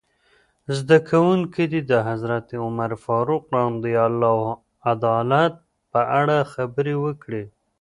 زده کوونکي دې د حضرت عمر فاروق رض عدالت په اړه خبرې وکړي.